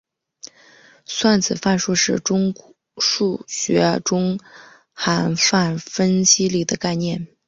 算子范数是数学中泛函分析里的概念。